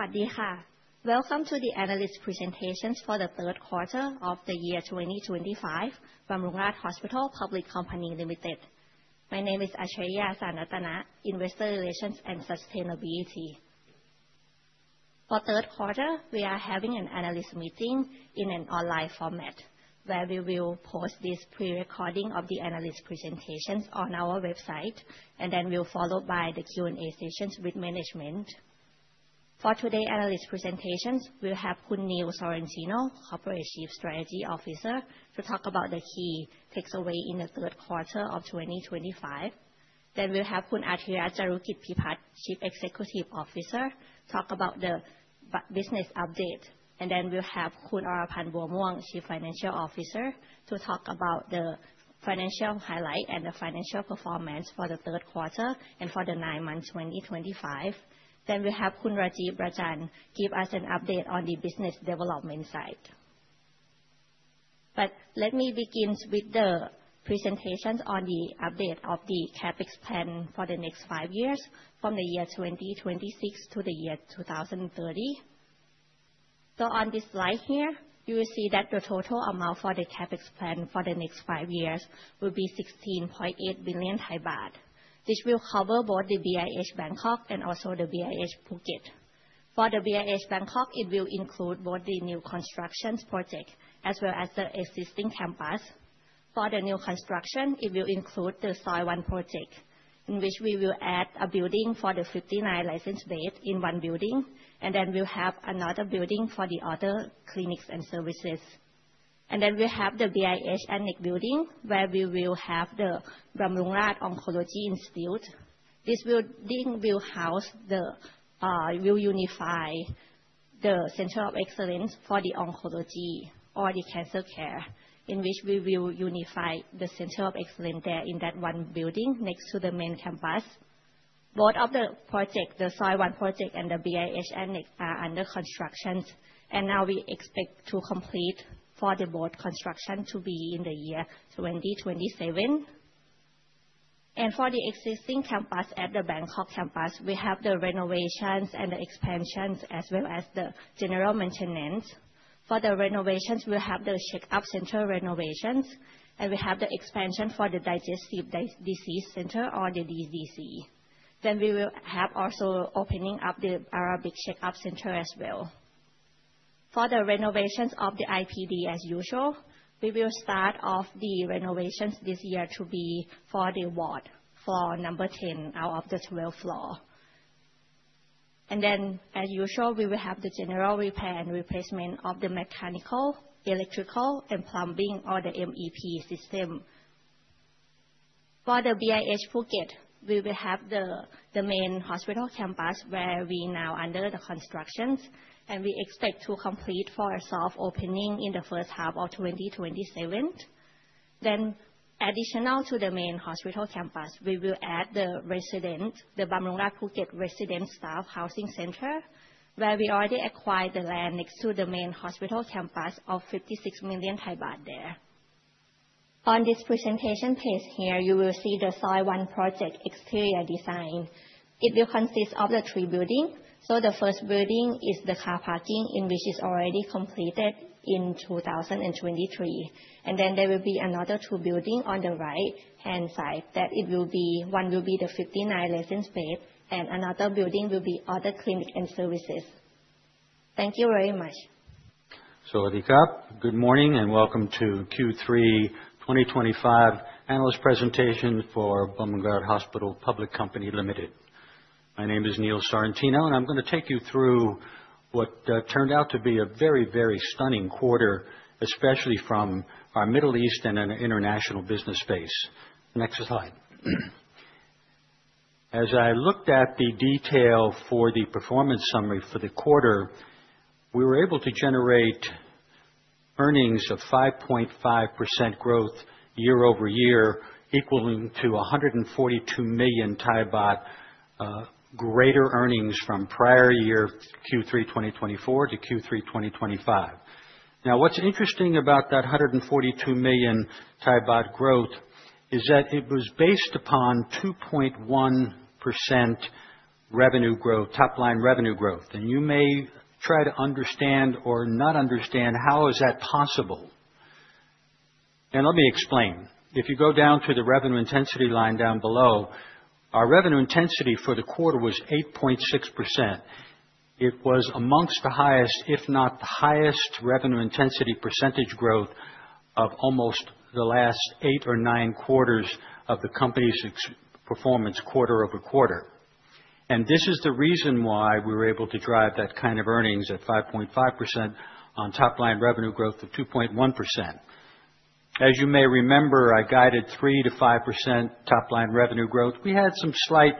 สวัสดีค่ะ. Welcome to the Analyst Presentations For The Third Quarter Of The Year 2025, Bumrungrad Hospital Public Company Limited. My name is Achiraya Sritratana, Investor Relations and Sustainability. For the third quarter, we are having an analyst meeting in an online format, where we will post this pre-recording of the analyst presentations on our website, and then we'll follow by the Q&A sessions with management. For today's analyst presentations, we'll have Khun Neil Sorrentino, Corporate Chief Strategy Officer, to talk about the key takeaways in the third quarter of 2025. Then we'll have Khun Artirat Charukitpipat, Chief Executive Officer, to talk about the business update. And then we'll have Khun Oraphan Buamrung, Chief Financial Officer, to talk about the financial highlights and the financial performance for the third quarter and for the nine months 2025. We'll have Khun Rajiv Rajan give us an update on the business development side. Let me begin with the presentations on the update of the CapEx plan for the next five years, from the year 2026 to the year 2030. On this slide here, you will see that the total amount for the CapEx plan for the next five years will be 16.8 billion baht. This will cover both the BIH Bangkok and also the BIH Phuket. For the BIH Bangkok, it will include both the new construction project as well as the existing campus. For the new construction, it will include the Soi 1 Project, in which we will add a building for the 59 licensed beds in one building, and then we'll have another building for the other clinics and services. And then we'll have the BIH Annex building, where we will have the Bumrungrad Oncology Institute. This building will house the, will unify the Center of Excellence for the Oncology or the Cancer Care, in which we will unify the Center of Excellence there in that one building next to the main campus. Both of the projects, the Soi 1 Project and the BIH Annex, are under construction, and now we expect to complete for the both construction to be in the year 2027. And for the existing campus at the Bangkok campus, we have the renovations and the expansions as well as the general maintenance. For the renovations, we'll have the Check-up Center renovations, and we have the expansion for the Digestive Disease Center or the DDC. Then we will have also opening up the Arabic Check-up Center as well. For the renovations of the IPD, as usual, we will start off the renovations this year to be for the ward, floor number 10 out of the 12 floors and then, as usual, we will have the general repair and replacement of the mechanical, electrical, and plumbing or the MEP system. For the BIH Phuket, we will have the main hospital campus where we are now under construction, and we expect to complete for a soft opening in the first half of 2027, then additional to the main hospital campus, we will add the residence, the Bumrungrad Phuket Residence, Staff Housing Center, where we already acquired the land next to the main hospital campus of 56 million baht there. On this presentation page here, you will see the Soi 1 Project exterior design. It will consist of the three buildings. The first building is the car parking, in which is already completed in 2023. Then there will be another two buildings on the right-hand side that it will be, one will be the 59 licensed beds, and another building will be other clinics and services. Thank you very much. สวัสดีครับ Good morning and welcome to Q3 2025 analyst presentations for Bumrungrad Hospital Public Company Limited. My name is Neil Sorrentino, and I'm going to take you through what turned out to be a very, very stunning quarter, especially from our Middle East and an international business space. Next slide. As I looked at the detail for the performance summary for the quarter, we were able to generate earnings of 5.5% growth year over year, equaling to 142 million baht greater earnings from prior year, Q3 2024 to Q3 2025. Now, what's interesting about that 142 million baht growth is that it was based upon 2.1% revenue growth, top-line revenue growth, and you may try to understand or not understand how is that possible. And let me explain. If you go down to the revenue intensity line down below, our revenue intensity for the quarter was 8.6%. It was amongst the highest, if not the highest, revenue intensity percentage growth of almost the last eight or nine quarters of the company's performance quarter over quarter, and this is the reason why we were able to drive that kind of earnings at 5.5% on top-line revenue growth of 2.1%. As you may remember, I guided 3%-5% top-line revenue growth. We had some slight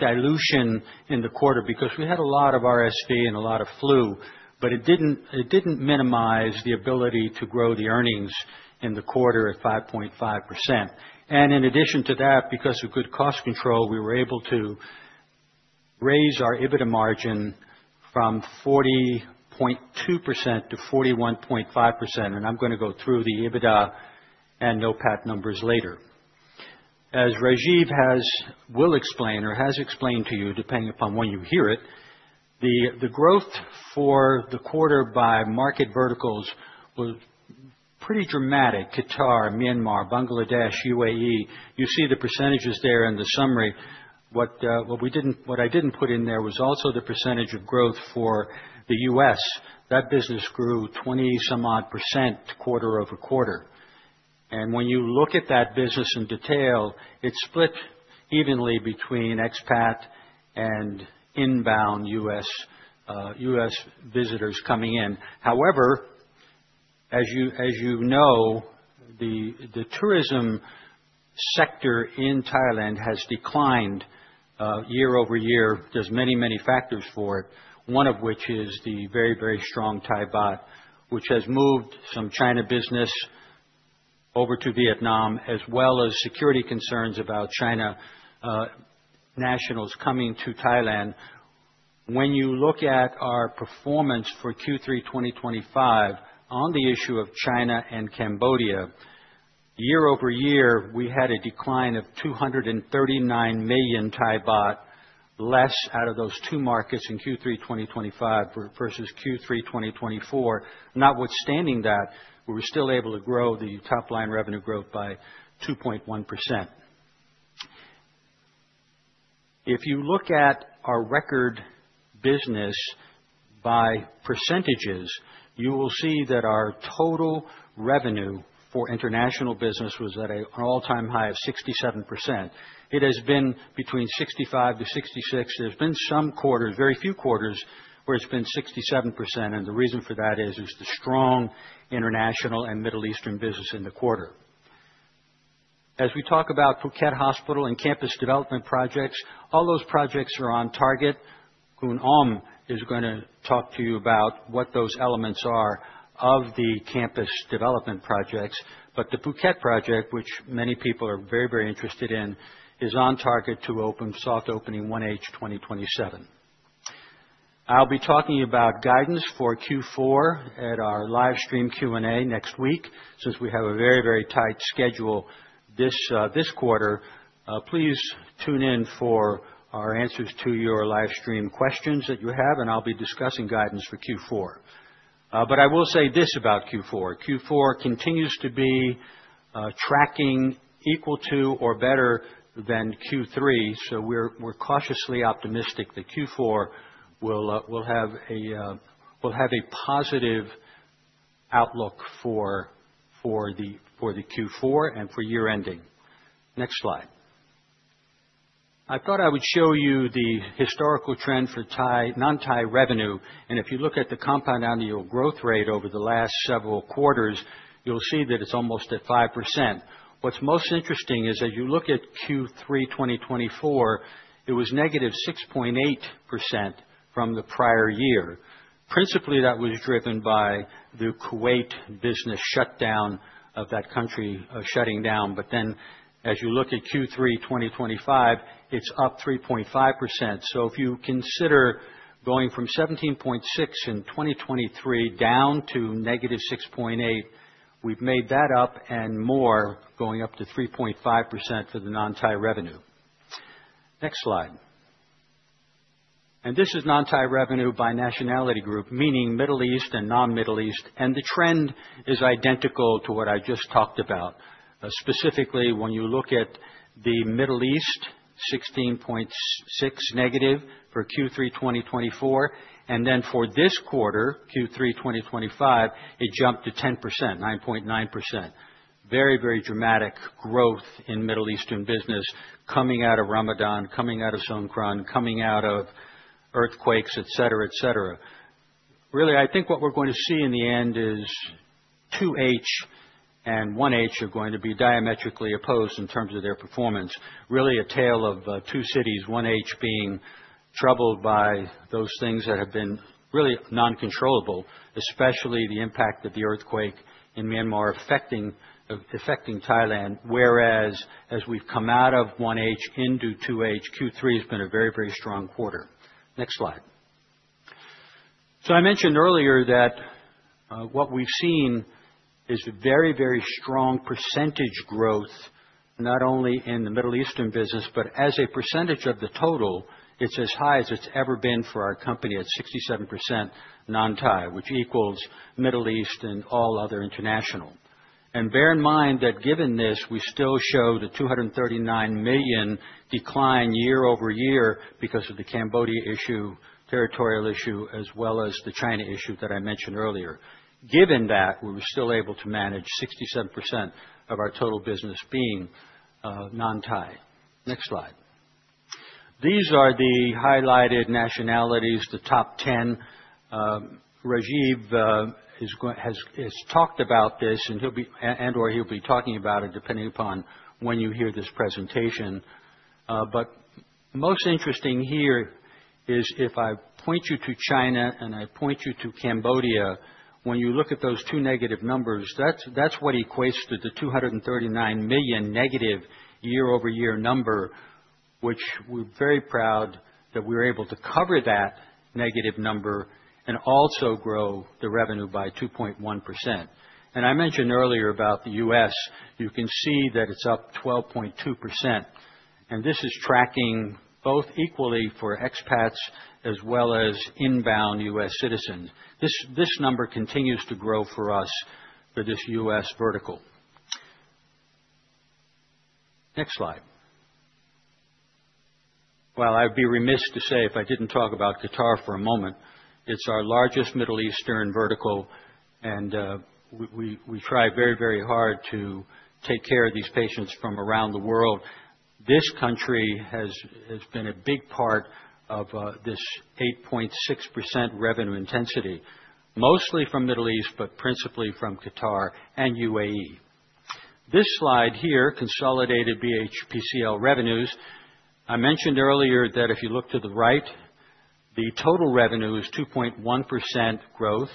dilution in the quarter because we had a lot of RSV and a lot of flu, but it didn't minimize the ability to grow the earnings in the quarter at 5.5%, and in addition to that, because of good cost control, we were able to raise our EBITDA margin from 40.2%-41.5%, and I'm going to go through the EBITDA and NOPAT numbers later. As Rajiv has, will explain or has explained to you, depending upon when you hear it, the growth for the quarter by market verticals was pretty dramatic: Qatar, Myanmar, Bangladesh, UAE. You see the percentages there in the summary. What we didn't, what I didn't put in there was also the percentage of growth for the U.S. That business grew 20-some-odd% quarter over quarter, and when you look at that business in detail, it's split evenly between expat and inbound U.S. visitors coming in. However, as you know, the tourism sector in Thailand has declined year over year. There's many, many factors for it, one of which is the very, very strong Thai Baht, which has moved some China business over to Vietnam, as well as security concerns about China nationals coming to Thailand. When you look at our performance for Q3 2025 on the issue of China and Cambodia, year over year, we had a decline of 239 million baht less out of those two markets in Q3 2025 versus Q3 2024. Notwithstanding that, we were still able to grow the top-line revenue growth by 2.1%. If you look at our record business by percentages, you will see that our total revenue for international business was at an all-time high of 67%. It has been between 65% to 66%. There's been some quarters, very few quarters, where it's been 67%. And the reason for that is the strong international and Middle Eastern business in the quarter. As we talk about Phuket Hospital and campus development projects, all those projects are on target. Khun Ong is going to talk to you about what those elements are of the campus development projects. But the Phuket project, which many people are very, very interested in, is on target to open soft opening 1H 2027. I'll be talking about guidance for Q4 at our live stream Q&A next week. Since we have a very, very tight schedule this quarter, please tune in for our answers to your live stream questions that you have, and I'll be discussing guidance for Q4. But I will say this about Q4: Q4 continues to be tracking equal to or better than Q3. So we're cautiously optimistic that Q4 will have a positive outlook for the Q4 and for year-ending. Next slide. I thought I would show you the historical trend for Thai non-Thai revenue. And if you look at the compound annual growth rate over the last several quarters, you'll see that it's almost at 5%. What's most interesting is, as you look at Q3 2024, it was negative 6.8% from the prior year. Principally, that was driven by the Kuwait business shutdown of that country shutting down, but then as you look at Q3 2025, it's up 3.5%, so if you consider going from 17.6% in 2023 down to negative 6.8%, we've made that up and more going up to 3.5% for the non-Thai revenue. Next slide, and this is non-Thai revenue by nationality group, meaning Middle East and non-Middle East, and the trend is identical to what I just talked about. Specifically, when you look at the Middle East, 16.6% negative for Q3 2024, and then for this quarter, Q3 2025, it jumped to 10%, 9.9%. Very, very dramatic growth in Middle Eastern business coming out of Ramadan, coming out of Songkran, coming out of earthquakes, et cetera, et cetera. Really, I think what we're going to see in the end is 2H and 1H are going to be diametrically opposed in terms of their performance. Really a tale of two cities, 1H being troubled by those things that have been really non-controllable, especially the impact of the earthquake in Myanmar affecting Thailand, whereas as we've come out of 1H into 2H, Q3 has been a very, very strong quarter. Next slide. So I mentioned earlier that what we've seen is a very, very strong percentage growth, not only in the Middle Eastern business, but as a percentage of the total, it's as high as it's ever been for our company at 67% non-Thai, which equals Middle East and all other international. Bear in mind that given this, we still show the 239 million decline year over year because of the Cambodia issue, territorial issue, as well as the China issue that I mentioned earlier. Given that, we were still able to manage 67% of our total business being non-Thai. Next slide. These are the highlighted nationalities, the top 10. Rajiv has talked about this, and he'll be, and/or he'll be talking about it depending upon when you hear this presentation. But most interesting here is if I point you to China and I point you to Cambodia, when you look at those two negative numbers, that's what equates to the 239 million negative year-over-year number, which we're very proud that we were able to cover that negative number and also grow the revenue by 2.1%. I mentioned earlier about the U.S., you can see that it's up 12.2%. This is tracking both equally for expats as well as inbound U.S. citizens. This number continues to grow for us for this U.S. vertical. Next slide. Well, I'd be remiss to say if I didn't talk about Qatar for a moment. It's our largest Middle Eastern vertical, and we try very, very hard to take care of these patients from around the world. This country has been a big part of this 8.6% revenue intensity, mostly from Middle East, but principally from Qatar and UAE. This slide here consolidated BHPCL revenues. I mentioned earlier that if you look to the right, the total revenue is 2.1% growth.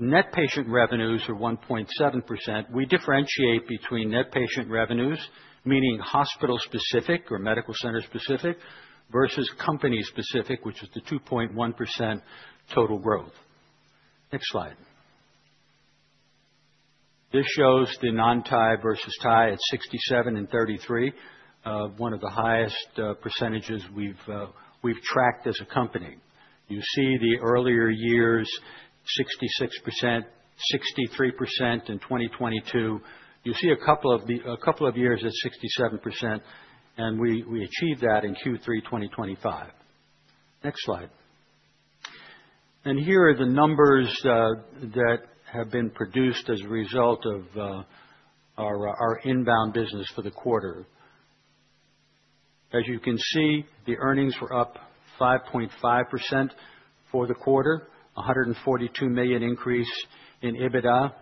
Net patient revenues are 1.7%. We differentiate between net patient revenues, meaning hospital-specific or medical center-specific versus company-specific, which is the 2.1% total growth. Next slide. This shows the non-Thai versus Thai at 67% and 33%, one of the highest percentages we've tracked as a company. You see the earlier years, 66%, 63% in 2022. You see a couple of years at 67%, and we achieved that in Q3 2025. Next slide. And here are the numbers that have been produced as a result of our inbound business for the quarter. As you can see, the earnings were up 5.5% for the quarter, a 142 million increase in EBITDA.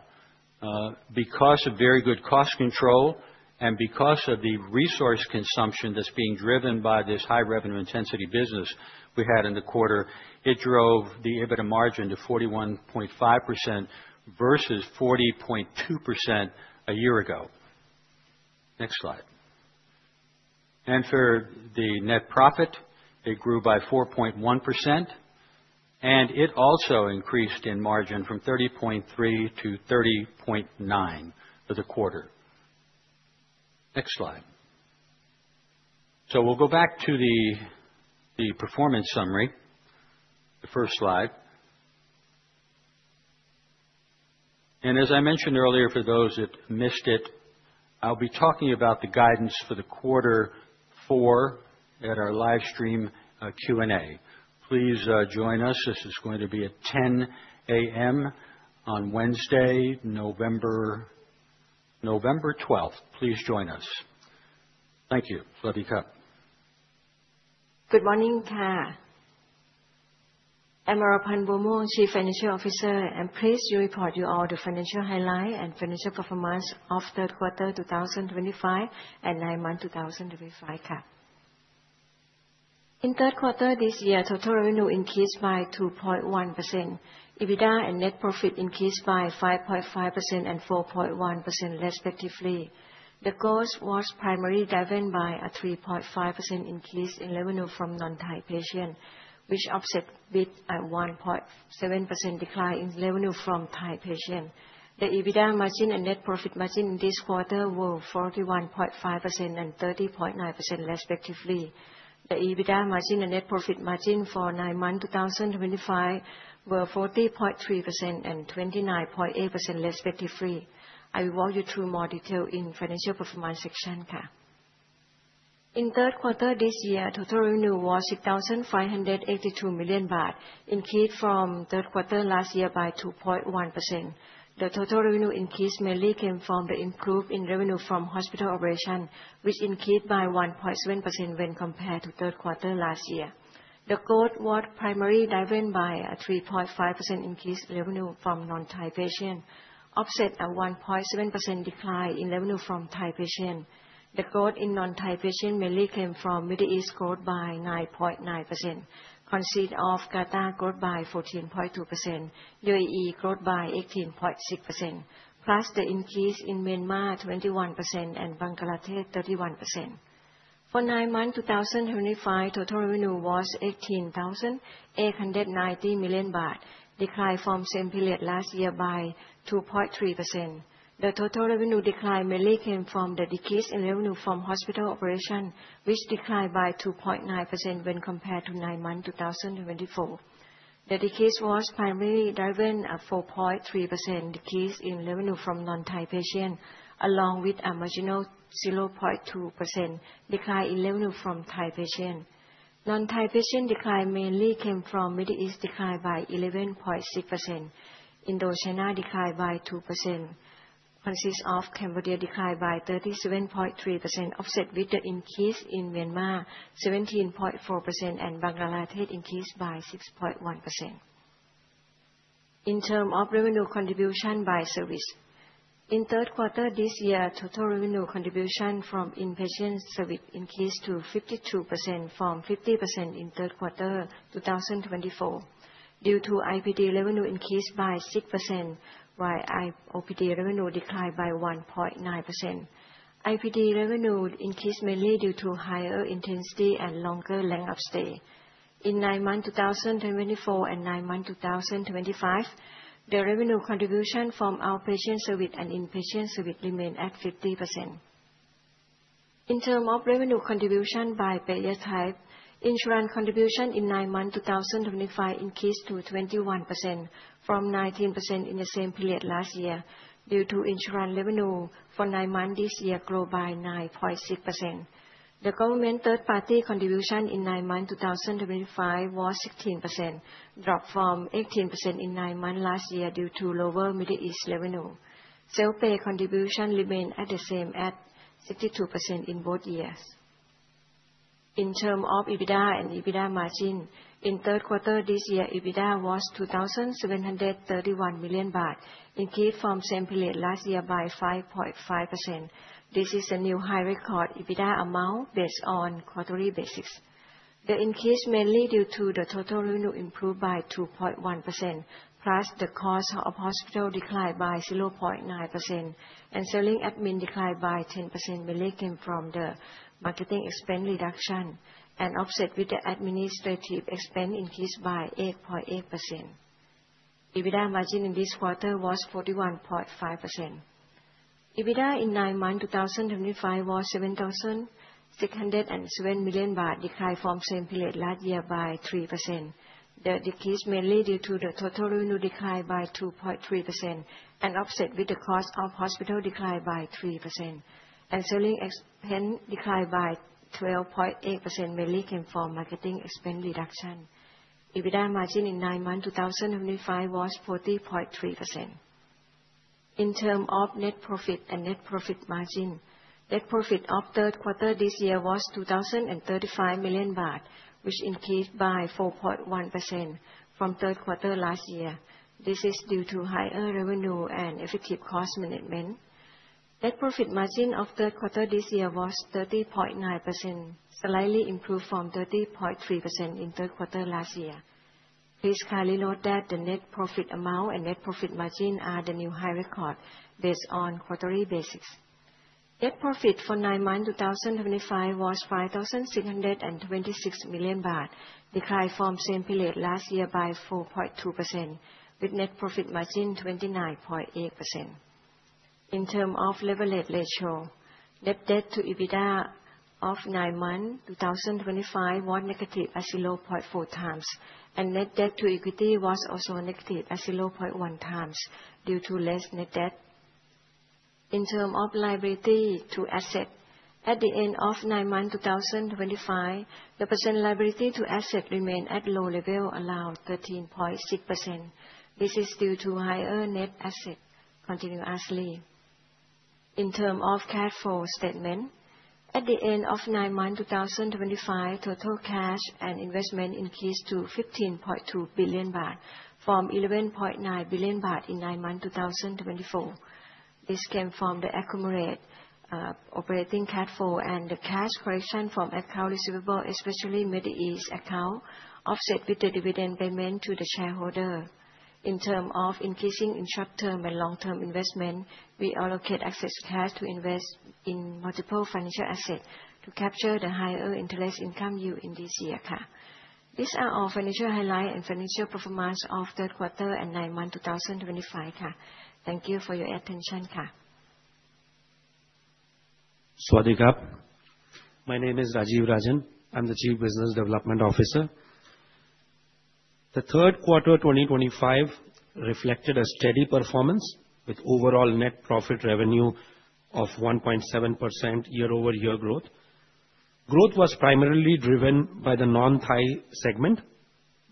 Because of very good cost control and because of the resource consumption that's being driven by this high revenue intensity business we had in the quarter, it drove the EBITDA margin to 41.5% versus 40.2% a year ago. Next slide. And for the net profit, it grew by 4.1%, and it also increased in margin from 30.3% to 30.9% for the quarter. Next slide. So we'll go back to the performance summary, the first slide. And as I mentioned earlier, for those that missed it, I'll be talking about the guidance for the quarter four at our live stream Q&A. Please join us. This is going to be at 10:00 A.M. on Wednesday, November 12th. Please join us. Thank you. Let me cut. Good morning, Ka. I'm Oraphan Buamuang, Chief Financial Officer, and pleased to report to you all the financial highlights and financial performance of third quarter 2025 and nine month 2025. In third quarter this year, total revenue increased by 2.1%. EBITDA and net profit increased by 5.5% and 4.1% respectively. The growth was primarily driven by a 3.5% increase in revenue from non-Thai patients, which offset with a 1.7% decline in revenue from Thai patients. The EBITDA margin and net profit margin this quarter were 41.5% and 30.9% respectively. The EBITDA margin and net profit margin for nine months 2025 were 40.3% and 29.8% respectively. I will walk you through more detail in financial performance section. In third quarter this year, total revenue was 6,582 million baht, increased from third quarter last year by 2.1%. The total revenue increase mainly came from the improved revenue from hospital operations, which increased by 1.7% when compared to third quarter last year. The growth was primarily driven by a 3.5% increase in revenue from non-Thai patients, offset a 1.7% decline in revenue from Thai patients. The growth in non-Thai patients mainly came from Middle East growth by 9.9%, consisting of Qatar growth by 14.2%, UAE growth by 18.6%, plus the increase in Myanmar 21% and Bangladesh 31%. For nine months 2025, total revenue was 18,890 million baht, declined from same period last year by 2.3%. The total revenue decline mainly came from the decrease in revenue from hospital operations, which declined by 2.9% when compared to nine months 2024. The decrease was primarily driven by a 4.3% decrease in revenue from non-Thai patients, along with a marginal 0.2% decline in revenue from Thai patients. Non-Thai patient decline mainly came from Middle East decline by 11.6%. Indochina declined by 2%, consisting of Cambodia declined by 37.3%, offset with the increase in Myanmar 17.4% and Bangladesh increased by 6.1%. In terms of revenue contribution by service, in third quarter this year, total revenue contribution from inpatient service increased to 52% from 50% in third quarter 2024. Due to IPD revenue increased by 6%, while OPD revenue declined by 1.9%. IPD revenue increased mainly due to higher intensity and longer length of stay. In nine months 2024 and nine months 2025, the revenue contribution from outpatient service and inpatient service remained at 50%. In terms of revenue contribution by payer type, insurance contribution in nine months 2025 increased to 21% from 19% in the same period last year. Due to insurance revenue for nine months this year grew by 9.6%. The government third-party contribution in nine months 2025 was 16%, dropped from 18% in nine months last year due to lower Middle East revenue. Self-pay contribution remained at the same at 62% in both years. In terms of EBITDA and EBITDA margin, in third quarter this year, EBITDA was 2,731 million baht, increased from same period last year by 5.5%. This is a new high record EBITDA amount based on quarterly basis. The increase mainly due to the total revenue improved by 2.1%, plus the cost of hospital decline by 0.9%, and selling admin decline by 10% mainly came from the marketing expense reduction and offset with the administrative expense increased by 8.8%. EBITDA margin in this quarter was 41.5%. EBITDA in nine month 2025 was 7,607 million baht, declined from same period last year by 3%. The decrease mainly due to the total revenue decline by 2.3% and offset with the cost of hospital decline by 3%, and selling expense decline by 12.8% mainly came from marketing expense reduction. EBITDA margin in nine month 2025 was 40.3%. In terms of net profit and net profit margin, net profit of third quarter this year was 2,035 million baht, which increased by 4.1% from third quarter last year. This is due to higher revenue and effective cost management. Net profit margin of third quarter this year was 30.9%, slightly improved from 30.3% in third quarter last year. Please kindly note that the net profit amount and net profit margin are the new high record based on quarterly basis. Net profit for nine month 2025 was 5,626 million baht, declined from same period last year by 4.2%, with net profit margin 29.8%. In terms of leverage ratio, net debt to EBITDA of nine month 2025 was negative at 0.4 times, and net debt to equity was also negative at 0.1 times due to less net debt. In terms of liability to asset, at the end of nine month 2025, the percent liability to asset remained at low level around 13.6%. This is due to higher net asset continuously. In terms of cash flow statement, at the end of nine month 2025, total cash and investment increased to 15.2 billion baht from 11.9 billion baht in nine month 2024. This came from the accumulated operating cash flow and the cash collection from account receivable, especially Middle East account, offset with the dividend payment to the shareholder. In terms of increasing short-term and long-term investment, we allocate excess cash to invest in multiple financial assets to capture the higher interest income yield in this year. These are our financial highlights and financial performance of third quarter and nine month 2025. Thank you for your attention. สวัสดีครับ My name is Rajeev Rajan. I'm the Chief Business Development Officer. The third quarter 2025 reflected a steady performance with overall net profit revenue of 1.7% year-over-year growth. Growth was primarily driven by the non-Thai segment,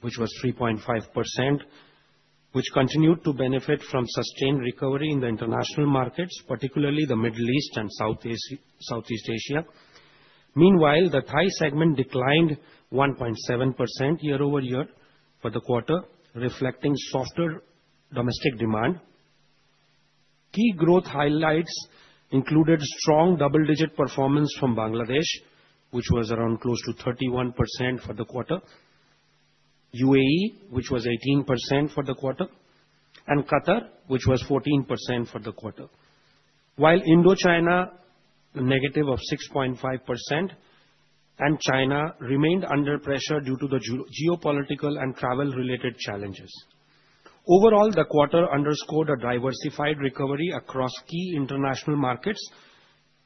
which was 3.5%, which continued to benefit from sustained recovery in the international markets, particularly the Middle East and Southeast Asia. Meanwhile, the Thai segment declined 1.7% year-over-year for the quarter, reflecting softer domestic demand. Key growth highlights included strong double-digit performance from Bangladesh, which was around close to 31% for the quarter, UAE, which was 18% for the quarter, and Qatar, which was 14% for the quarter, while Indochina negative of 6.5%, and China remained under pressure due to the geopolitical and travel-related challenges. Overall, the quarter underscored a diversified recovery across key international markets,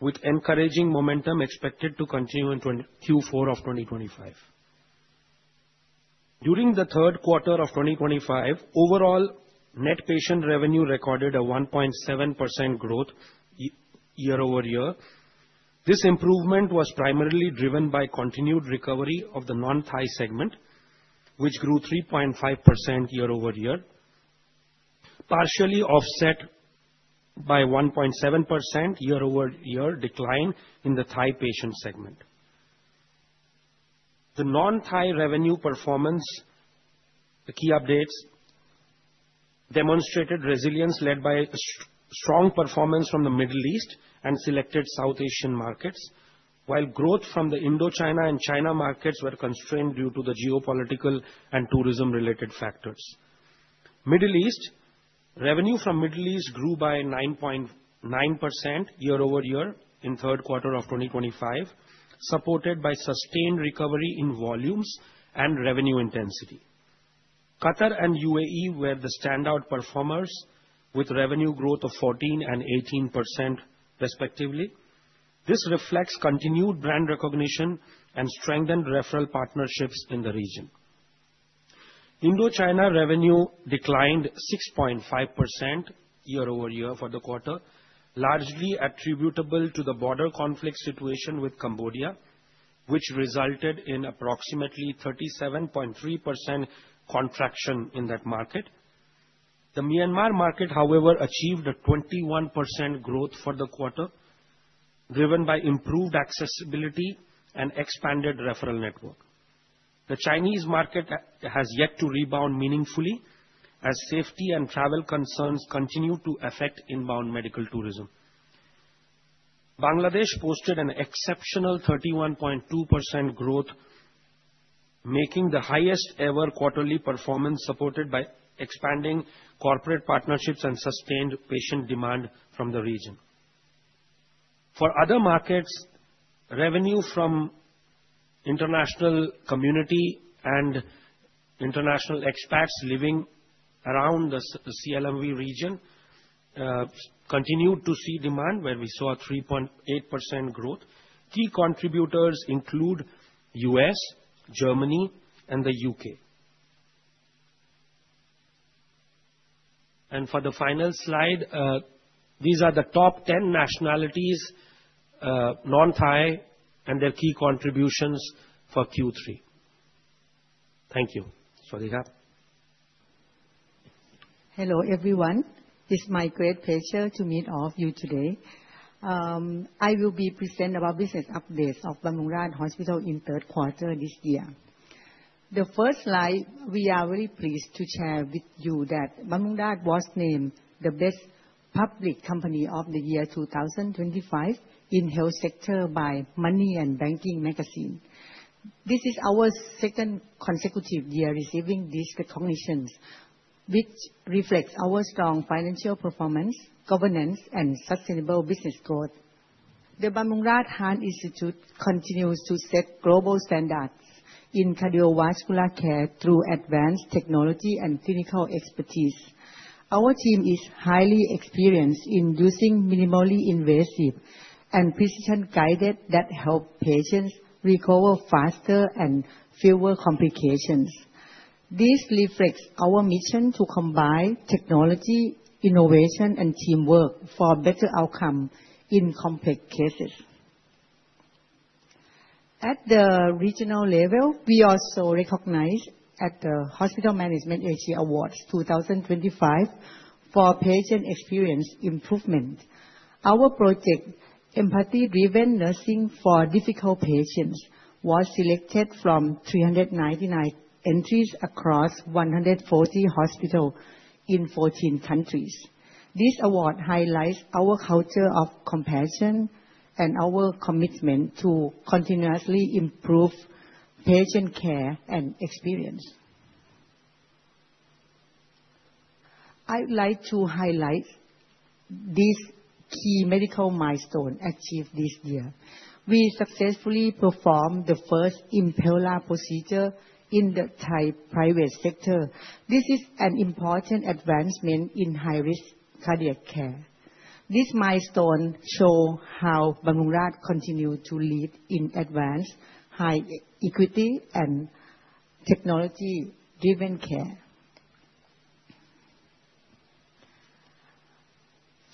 with encouraging momentum expected to continue in Q4 of 2025. During the third quarter of 2025, overall net patient revenue recorded a 1.7% growth year-over-year. This improvement was primarily driven by continued recovery of the non-Thai segment, which grew 3.5% year-over-year, partially offset by 1.7% year-over-year decline in the Thai patient segment. The non-Thai revenue performance, the key updates, demonstrated resilience led by strong performance from the Middle East and selected South Asian markets, while growth from the Indochina and China markets was constrained due to the geopolitical and tourism-related factors. Middle East revenue from Middle East grew by 9.9% year-over-year in third quarter of 2025, supported by sustained recovery in volumes and revenue intensity. Qatar and UAE were the standout performers with revenue growth of 14% and 18% respectively. This reflects continued brand recognition and strengthened referral partnerships in the region. Indochina revenue declined 6.5% year-over-year for the quarter, largely attributable to the border conflict situation with Cambodia, which resulted in approximately 37.3% contraction in that market. The Myanmar market, however, achieved a 21% growth for the quarter, driven by improved accessibility and expanded referral network. The Chinese market has yet to rebound meaningfully as safety and travel concerns continue to affect inbound medical tourism. Bangladesh posted an exceptional 31.2% growth, making the highest ever quarterly performance supported by expanding corporate partnerships and sustained patient demand from the region. For other markets, revenue from the international community and international expats living around the CLMV region continued to see demand, where we saw a 3.8% growth. Key contributors include the U.S., Germany, and the U.K., and for the final slide, these are the top 10 nationalities, non-Thai, and their key contributions for Q3. Thank you. สวัสดีครับ Hello, everyone. It's my great pleasure to meet all of you today. I will be presenting about business updates of Bumrungrad Hospital in third quarter this year. The first slide, we are very pleased to share with you that Bumrungrad was named the Best Public Company of the Year 2025 in Health Sector by Money & Banking Magazine. This is our second consecutive year receiving these recognitions, which reflects our strong financial performance, governance, and sustainable business growth. The Bumrungrad Heart Institute continues to set global standards in cardiovascular care through advanced technology and clinical expertise. Our team is highly experienced in using minimally invasive and precision-guided treatments that help patients recover faster and fewer complications. This reflects our mission to combine technology, innovation, and teamwork for better outcomes in complex cases. At the regional level, we also recognized the Hospital Management Asia Awards 2025 for patient experience improvement. Our project, Empathy-Driven Nursing for Difficult Patients, was selected from 399 entries across 140 hospitals in 14 countries. This award highlights our culture of compassion and our commitment to continuously improve patient care and experience. I'd like to highlight these key medical milestones achieved this year. We successfully performed the first Impella procedure in the Thai private sector. This is an important advancement in high-risk cardiac care. These milestones show how Bumrungrad continues to lead in advanced high-acuity and technology-driven care.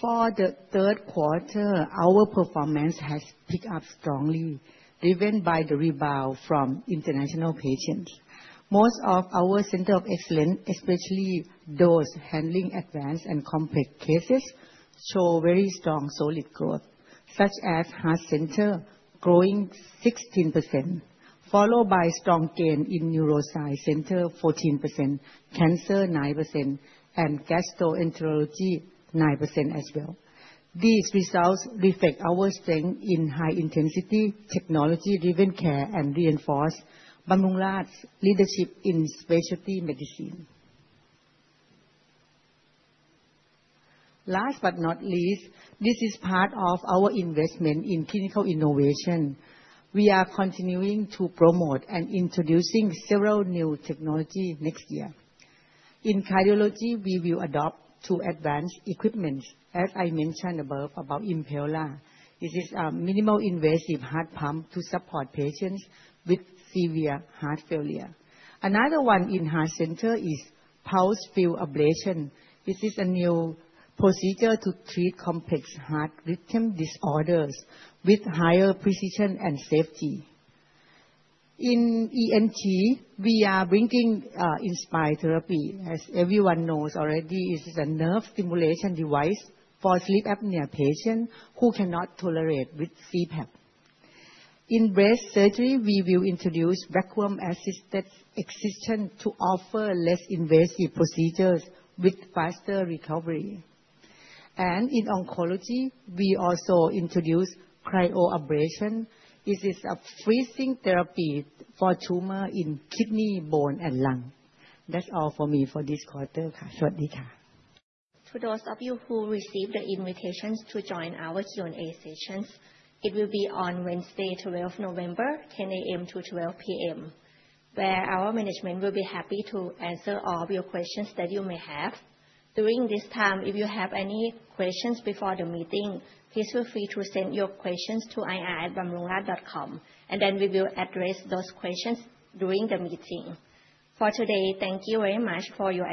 For the third quarter, our performance has picked up strongly, driven by the rebound from international patients. Most of our centers of excellence, especially those handling advanced and complex cases, show very strong solid growth, such as Heart Center, growing 16%, followed by a strong gain in Neuroscience Center, 14%, Cancer 9%, and Gastroenterology 9% as well. These results reflect our strength in high-intensity technology-driven care and reinforce Bumrungrad's leadership in specialty medicine. Last but not least, this is part of our investment in clinical innovation. We are continuing to promote and introduce several new technologies next year. In cardiology, we will adopt two advanced equipments. As I mentioned above about Impella, this is a minimally invasive heart pump to support patients with severe heart failure. Another one in Heart Center is pulsed field ablation. This is a new procedure to treat complex heart rhythm disorders with higher precision and safety. In ENT, we are bringing Inspire therapy. As everyone knows already, it is a nerve stimulation device for sleep apnea patients who cannot tolerate CPAP. In breast surgery, we will introduce vacuum-assisted excision to offer less invasive procedures with faster recovery, and in oncology, we also introduce cryoablation. This is a freezing therapy for tumors in kidneys, bones, and lungs. That's all for me for this quarter. ค่ะ สวัสดีค่ะ. To those of you who received the invitation to join our Q&A sessions, it will be on Wednesday, 12 November, 10:00 A.M. to 12:00 P.M., where our management will be happy to answer all of your questions that you may have. During this time, if you have any questions before the meeting, please feel free to send your questions to ir@bumrungrad.com, and then we will address those questions during the meeting. For today, thank you very much for your.